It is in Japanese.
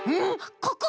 ここ！